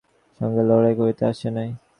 উহাদের কেহই সেখানে আমার সঙ্গে লড়াই করিতে আসে নাই।